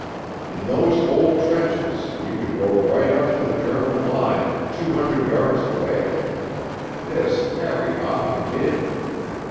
In those old trenches you could go right up to the German line, two hundred yards away, and this Harry often did.